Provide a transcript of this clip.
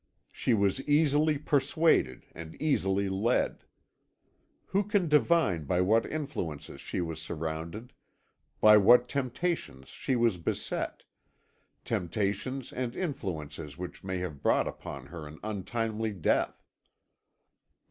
She was easily persuaded and easily led. Who can divine by what influences she was surrounded, by what temptations she was beset, temptations and influences which may have brought upon her an untimely death?